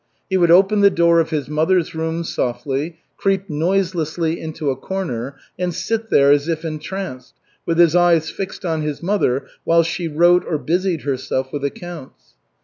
He would open the door of his mother's room softly, creep noiselessly into a corner, and sit there, as if entranced, with his eyes fixed on his mother while she wrote or busied herself with accounts.